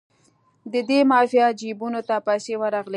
د دې مافیا جیبونو ته پیسې ورغلې.